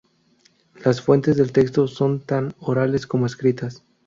Las fuentes del texto son tanto orales como escritas.